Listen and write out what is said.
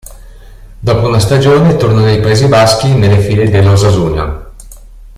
Dopo una stagione torna nei Paesi Baschi nelle file dell'Osasuna.